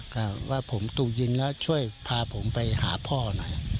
ก็ว่าผมถูกยิงแล้วช่วยพาผมไปหาพ่อหน่อย